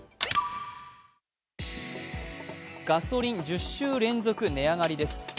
ガソリン１０週連続の値上がりです。